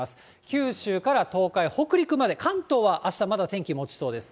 九州から東海、北陸まで、関東はあしたまだ天気もちそうです。